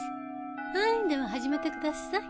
はいでは始めてください。